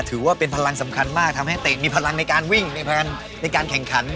ถือว่าเป็นพลังสำคัญมากทำให้เตะมีพลังในการวิ่งในการแข่งขัน